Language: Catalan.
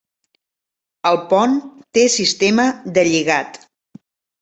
El pont té sistema de lligat.